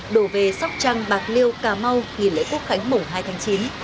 đổ về sóc trăng bạc liêu cà mau nghỉ lễ quốc khánh mùng hai tháng chín